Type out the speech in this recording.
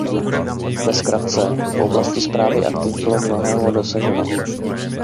Ve zkratce, v oblasti správy aktiv bylo mnohého dosaženo.